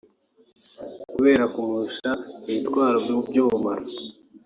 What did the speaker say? kubera kumurusha ibitwaro by’ubumara